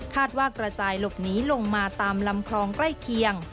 ว่ากระจายหลบหนีลงมาตามลำคลองใกล้เคียง